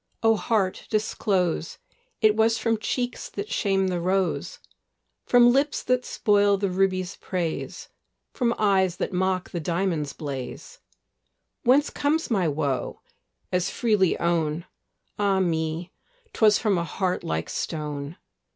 O heart, disclose! It was from cheeks that shame the rose, From lips that spoil the ruby's praise, From eyes that mock the diamond's blaze: Whence comes my woe? as freely own; Ah me! 'twas from a heart like stone.